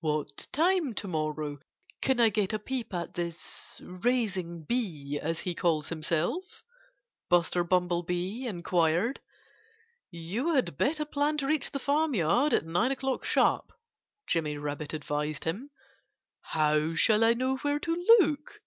"What time to morrow can I get a peep at this 'raising bee,' as he calls himself?" Buster Bumblebee inquired. "You had better plan to reach the farmyard at nine o'clock sharp," Jimmy Rabbit advised him. "How shall I know where to look?"